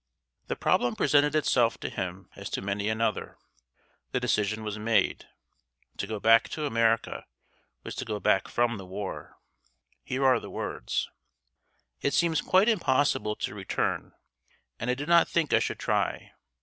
The problem presented itself to him as to many another. The decision was made. To go back to America was to go back from the war. Here are the words: "It seems quite impossible to return, and I do not think I should try.